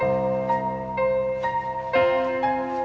aku bisa ke depan